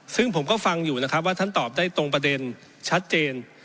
ซึ่งผมก็ฟังอยู่นะครับว่าท่านตอบได้ตรงประเด็นชัดเจน